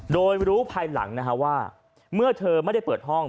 โดยรู้ภายหลังว่าเมื่อเธอไม่ได้เปิดห้อง